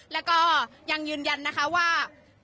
และยังยืนยันว่า